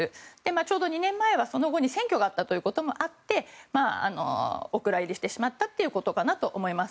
ちょうど２年前は、その後に選挙があったということもあってお蔵入りしてしまったということだと思います。